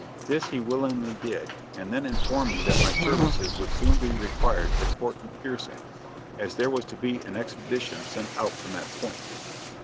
This he willingly did, and then informed me that my services would soon be required at Fort McPherson, as there was to be an expedition sent out from that point.